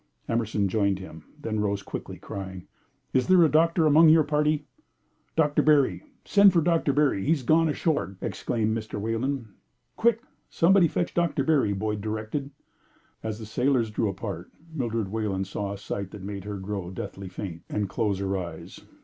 Emerson joined him, then rose quickly, crying: "Is there a doctor among your party?" "Doctor Berry! Send for Berry! He's gone ashore!" exclaimed Mr. Wayland. "Quick! Somebody fetch Doctor Berry!" Boyd directed. As the sailors drew apart, Mildred Wayland saw a sight that made her grow deathly faint and close her eyes.